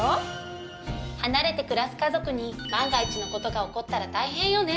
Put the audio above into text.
離れて暮らす家族に万が一の事が起こったら大変よね。